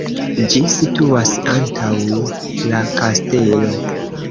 Ĝi situas antaŭ la kastelo.